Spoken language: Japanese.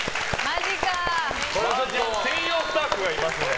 専用スタッフがいますので。